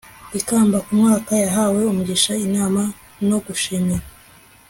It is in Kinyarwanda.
ikamba kumyaka, yahawe umugisha nimana no gushimira